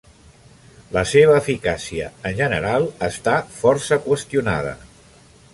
La seva eficàcia, en general, està força qüestionada.